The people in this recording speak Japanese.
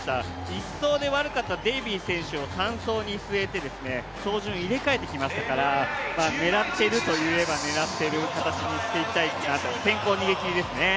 １走で悪かった選手を３走に据えて、走順を入れ替えてきましたから狙ってるといえば狙ってる形にしていきたいなと、先行逃げ切りですね。